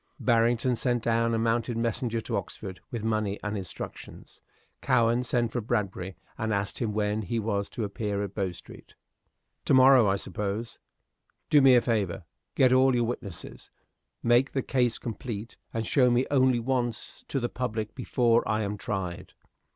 Barrington sent down a mounted messenger to Oxford, with money and instructions. Cowen sent for Bradbury, and asked him when he was to appear at Bow Street. "To morrow, I suppose." "Do me a favor. Get all your witnesses; make the case complete, and show me only once to the public before I am tried."